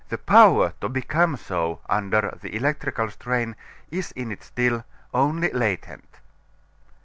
The power to become so under the electrical strain is in it still only latent.